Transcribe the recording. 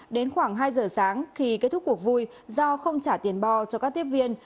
đến khoảng hai giờ sáng khi kết thúc cuộc vui do không trả tiền bo cho các tiếp viên